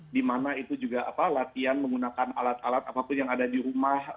dimana itu juga apa latihan menggunakan alat alat apapun yang ada di rumah